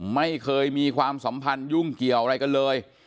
ไม่เคยมีความสัมพันธ์ยุ่งเกี่ยวอะไรกันเลย